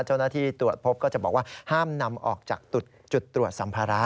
เจ้าหน้าที่ตรวจพบก็จะบอกว่าห้ามนำออกจากจุดตรวจสัมภาระ